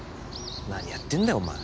何やってんだよ